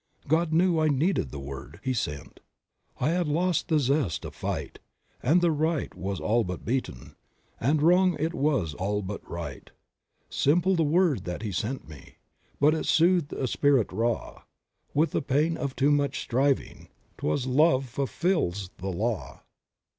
"God knew I needed the word He sent — I had lost the zest of fight; And the right was all but beaten; The wrong it was all but right. 16 Creative Mind. "Simple the word that He sent me — But it soothed a spirit raw With the pain of too much striving — 'Twas 'Love fulfills the law.'